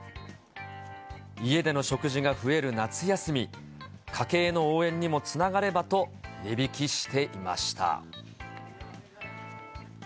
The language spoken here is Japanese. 家での食事が増える夏休み、家計への応援にもつながればと値引きしていました。